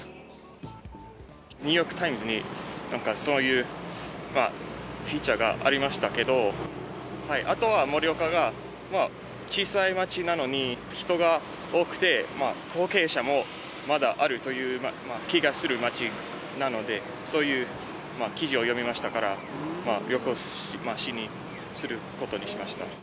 ニューヨーク・タイムズに、なんかそういうフィーチャーがありましたけど、あとは盛岡が、まあ小さい街なのに、人が多くて、後継者もまだあるという気がする街なので、そういう記事を読みましたから、旅行することにしました。